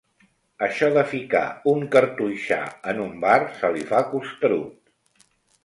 Això de ficar un cartoixà en un bar se li fa costerut.